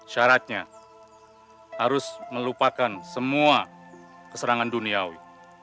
syaratnya harus melupakan semua keserangan duniawi